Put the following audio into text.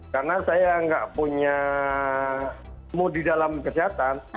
karena saya nggak punya mood di dalam kesehatan